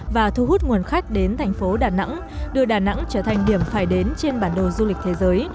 và thu hút nguồn khách đến thành phố đà nẵng đưa đà nẵng trở thành điểm phải đến trên bản đồ du lịch thế giới